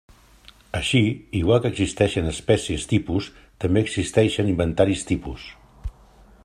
Així, igual que existeixen espècies tipus, també existeixen inventaris tipus.